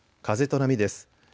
風と波です。